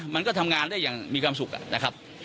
มันก็ทำงานได้อย่างมีความสุขนะครับ